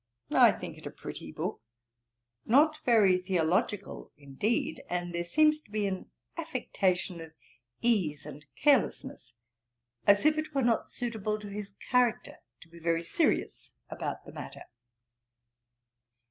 'I think it a pretty book; not very theological indeed; and there seems to be an affectation of ease and carelessness, as if it were not suitable to his character to be very serious about the matter.'